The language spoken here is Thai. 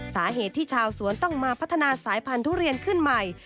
สาเหตุที่ชาวสวนต้องมาพัฒนาสายพันธุเรียนขึ้นใหม่